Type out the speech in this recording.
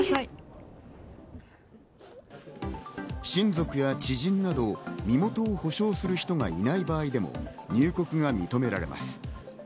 親族や知人など身元を保証する人がいない場合でも入国が認められます。